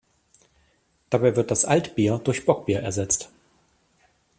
Dabei wird das Altbier durch Bockbier ersetzt.